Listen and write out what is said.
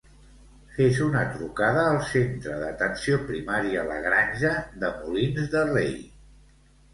Fes una trucada al Centre d'Atenció Primària La Granja de Molins de Rei.